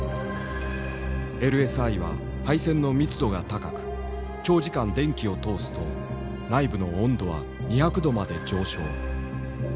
ＬＳＩは配線の密度が高く長時間電気を通すと内部の温度は２００度まで上昇。